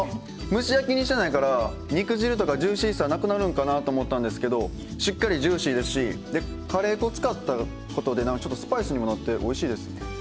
蒸し焼きにしてないから肉汁とかジューシーさなくなるんかなと思ったんですけどしっかりジューシーですしでカレー粉使ったことでスパイスにもなっておいしいですね。